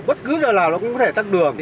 bất cứ giờ nào nó cũng có thể tắt đường